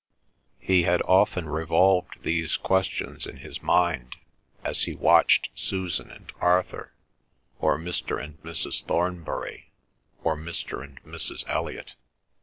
He had often revolved these questions in his mind, as he watched Susan and Arthur, or Mr. and Mrs. Thornbury, or Mr. and Mrs. Elliot.